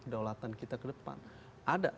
kedaulatan kita ke depan ada